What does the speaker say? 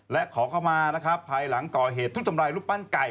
และขอเข้ามานะครับภายหลังก่อเหตุทุบทำลายรูปปั้นไก่